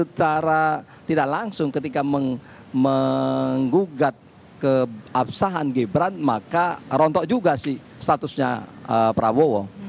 secara tidak langsung ketika menggugat keabsahan gibran maka rontok juga sih statusnya prabowo